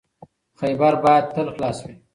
خیبر باید تل خلاص وي.